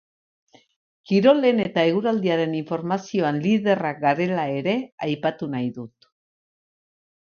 Kirolen eta eguraldiaren informazioan liderrak garela ere aipatu nahi dut.